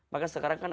maka sekarang kan